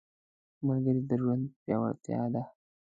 ملګری د ژوند پیاوړتیا ده